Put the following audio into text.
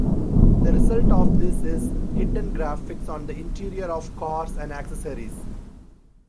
The result of this is hidden graphics on the interior of cars and accessories.